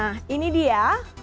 nah ini dia